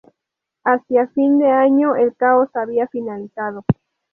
Hacia fin de año el caos había finalizado.